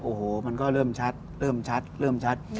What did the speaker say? โอ้โหมันก็เริ่มชัดเริ่มชัดเริ่มชัด